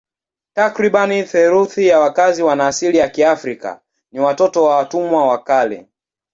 Takriban theluthi ya wakazi wana asili ya Kiafrika ni watoto wa watumwa wa kale.